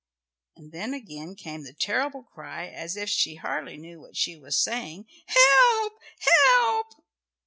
And then again came the terrible cry, as if she hardly knew what she was saying, "Help, help!"